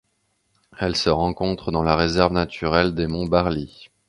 Elle se rencontre dans la réserve naturelle des monts Barlee.